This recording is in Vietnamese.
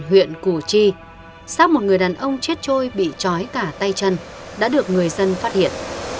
huyện củ chi sát một người đàn ông chết trôi bị trói cả tay chân đã được người dân phát hiện